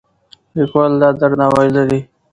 لیکوال دا درناوی لري.